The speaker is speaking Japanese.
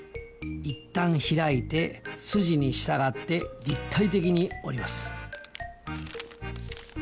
一旦開いて筋に従って立体的に折ります。